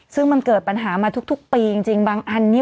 ซึ่งมันเกิดปัญหามาทุกปีจริงบางอันนี้